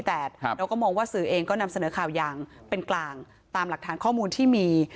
เราก็มองว่าสื่อเองก็นำเสนอข่าวอย่างเป็นกลางตามหลักฐานข้อมูลที่มี